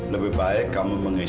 lebih baik kamu mengisahkan